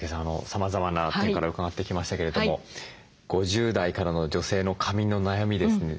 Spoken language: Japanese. さまざまな点から伺ってきましたけれども５０代からの女性の髪の悩みですね